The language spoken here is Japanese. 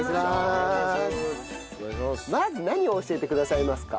まず何を教えてくださいますか？